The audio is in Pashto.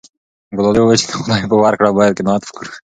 ګلالۍ وویل چې د خدای په ورکړه باید قناعت وکړو.